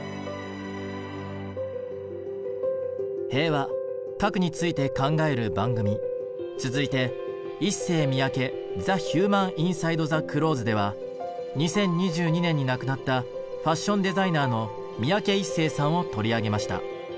平和核について考える番組続いて「ＩＳＳＥＹＭＩＹＡＫＥＴｈｅＨｕｍａｎＩｎｓｉｄｅｔｈｅＣｌｏｔｈｅｓ」では２０２２年に亡くなったファッションデザイナーの三宅一生さんを取り上げました。